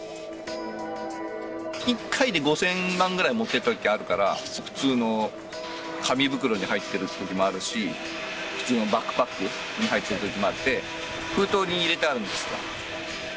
１回で５０００万ぐらい持っていったときあるから、普通の紙袋に入っているときもあるし、普通のバックパックに入ってるときもあって、封筒に入れてあるん